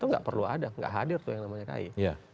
itu nggak perlu ada nggak hadir tuh yang namanya kai